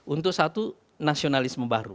untuk satu nasionalisme baru